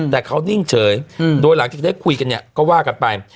แต่เขานิ่งเฉยโดยหลังจากได้คุยกันเนี่ยก็ว่ากันไป